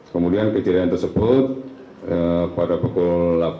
kemudian kejadian tersebut pada pukul delapan empat puluh lima